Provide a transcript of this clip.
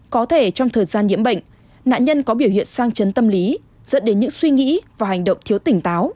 có thể trong thời gian nhiễm bệnh nạn nhân có biểu hiện sang chấn tâm lý dẫn đến những suy nghĩ và hành động thiếu tỉnh táo